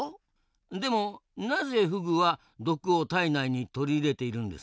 でもなぜフグは毒を体内に取り入れているんですかねえ。